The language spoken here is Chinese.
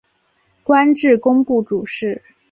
官至工部主事。